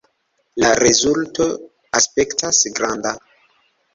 La rezulto aspektas granda!